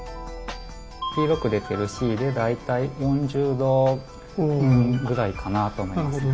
黄色く出てるｃで大体４０度ぐらいかなあと思います。